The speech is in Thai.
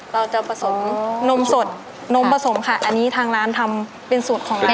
เราจะผสมนมสดนมผสมค่ะอันนี้ทางร้านทำเป็นสูตรของแม่